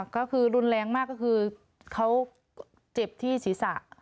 ก็คือรุนแรงมากก็คือเขาเจ็บที่ศีรษะ